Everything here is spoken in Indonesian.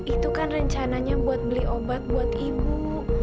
itu kan rencananya buat beli obat buat ibu